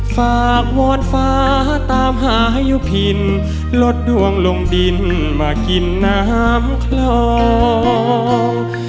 ฝากวอนฟ้าตามหาให้ยุพินลดดวงลงดินมากินน้ำคลอง